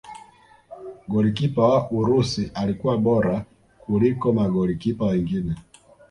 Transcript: golikipa wa urusi alikuwa bora kuliko magolikipa wengine